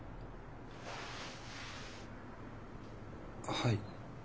はい。